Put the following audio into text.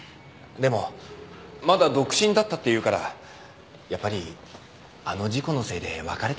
でもまだ独身だったっていうからやっぱりあの事故のせいで別れたんでしょうね。